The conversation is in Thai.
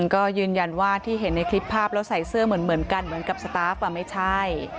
ก็ยืนยันว่าที่เห็นในคลิปภาพแล้วใส่เสื้อเหมือนกันเหมือนกับสตาฟไม่ใช่